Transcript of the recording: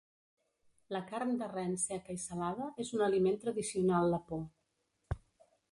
La carn de ren seca i salada és un aliment tradicional lapó.